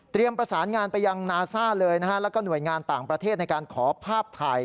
ประสานงานไปยังนาซ่าเลยนะฮะแล้วก็หน่วยงานต่างประเทศในการขอภาพถ่าย